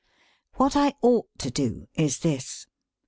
What I ought to do is this!